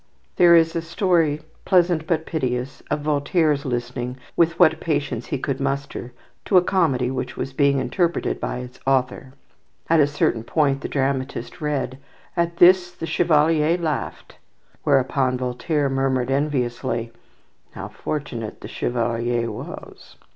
There is a story, pleasant but piteous, of Voltaire's listening with what patience he could muster to a comedy which was being interpreted by its author. At a certain point the dramatist read, "At this the Chevalier laughed"; whereupon Voltaire murmured enviously, "How fortunate the Chevalier was!"